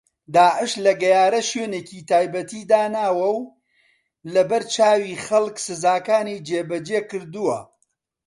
داعش لە گەیارە شوێنێکی تایبەتی داناوە و لەبەرچاوی خەڵک سزاکانی جێبەجێ کردووە